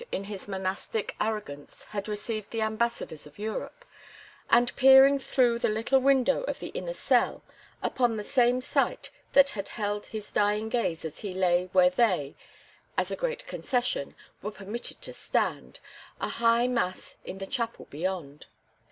in his monastic arrogance had received the ambassadors of Europe, and peering through the little window of the inner cell upon the same sight that had held his dying gaze as he lay where they, as a great concession, were permitted to stand—a high mass in the chapel beyond.